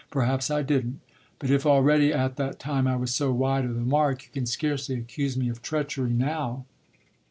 Perhaps I didn't; but if already at that time I was so wide of the mark you can scarcely accuse me of treachery now."